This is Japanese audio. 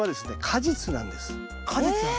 果実なんですよ。